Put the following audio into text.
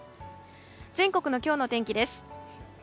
全国の今日の天気です。